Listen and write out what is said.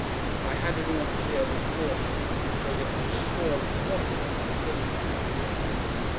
I had it all clear before me, so that at a score of points I could presently begin.